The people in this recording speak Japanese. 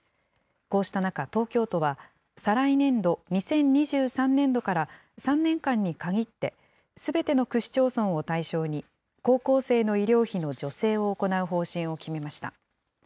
こうした中、東京都は再来年度・２０２３年度から３年間に限って、すべての区市町村を対象に、高校生の医療費の助成を行う方針を決めました。